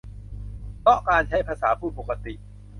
เพราะการใช้ภาษาพูดปกติ